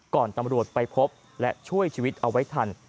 ตำรวจไปพบและช่วยชีวิตเอาไว้ทัน